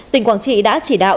tỉnh quảng trị đã chỉ đạo